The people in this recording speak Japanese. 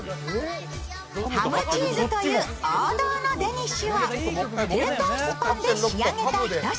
ハムチーズという王道のデニッシュを低糖質パンで仕上げた１品。